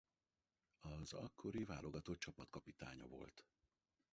A akkori válogatott csapatkapitánya volt.